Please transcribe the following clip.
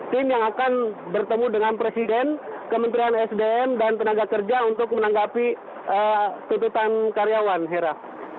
tim yang akan bertemu dengan presiden kementerian sdm dan tenaga kerja untuk menanggapi tuntutan karyawan hera